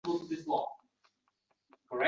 Haykalni ko‘chirish, avaylab aravaga yotqizishdi.